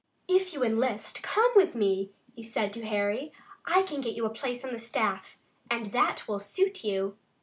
"If you enlist, come with me," he said to Harry. "I can get you a place on the staff, and that will suit you."